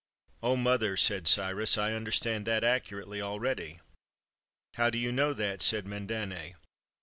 " Oh, mother," said Cyrus, " I understand that accu rately already." " How do you know that?" said Mandane.